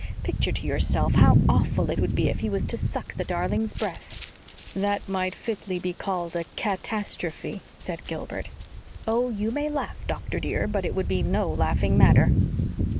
Picture to yourself how awful it would be if he was to suck the darling's breath." "That might be fitly called a CAT astrophe," said Gilbert. "Oh, you may laugh, doctor, dear, but it would be no laughing matter."